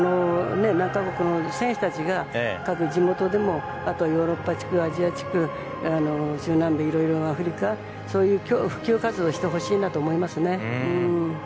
何か国の選手たちが各地元でもヨーロッパ地区、アジア地区中南米、アフリカそういうところで普及活動をしてほしいなと思いますね。